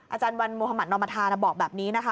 อาจารย์วันมหมาตนอมภาษณ์บอกแบบนี้นะคะ